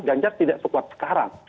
ganjar tidak sekuat sekarang